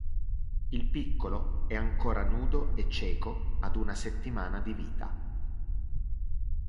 Il piccolo è ancora nudo e cieco ad una settimana di vita.